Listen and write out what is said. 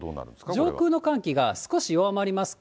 上空の寒気が少し弱まります。